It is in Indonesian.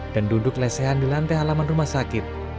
dan duduk lesehan di lantai halaman rumah sakit